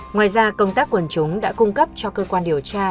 ngoài ra công tác quần chúng đã cung cấp cho cơ quan điều tra